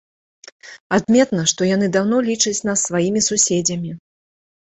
Адметна, што яны даўно лічаць нас сваімі суседзямі.